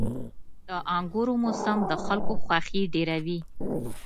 • د انګورو موسم د خلکو خوښي ډېروي.